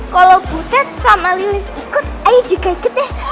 kalau butet sama lelis ikut ayu juga ikut ya